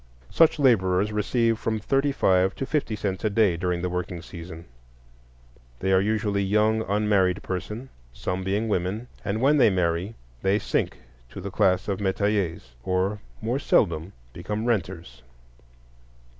Such laborers receive from thirty five to fifty cents a day during the working season. They are usually young unmarried persons, some being women; and when they marry they sink to the class of metayers, or, more seldom, become renters.